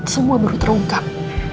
semua baru terungkap